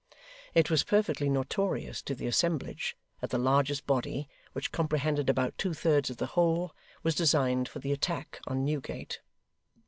It was perfectly notorious to the assemblage that the largest body, which comprehended about two thirds of the whole, was designed for the attack on Newgate.